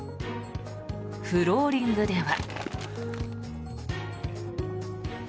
フローリングでは。